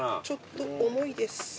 ちょっと重いです。